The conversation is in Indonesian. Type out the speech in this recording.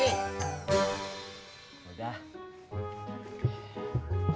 udah saya jalanin